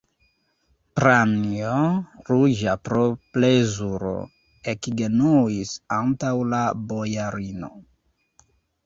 Pranjo, ruĝa pro plezuro, ekgenuis antaŭ la bojarino.